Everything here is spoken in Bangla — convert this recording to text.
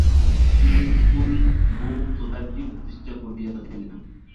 তিনি স্কুল বুক সোসাইটিও প্রতিষ্ঠা করেছিলেন।